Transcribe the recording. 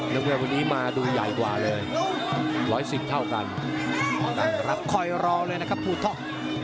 น้ำเงินวันนี้มาดูใหญ่กว่าเลย๑๑๐เท่ากันรับคอยรอเลยนะครับผู้ท็อก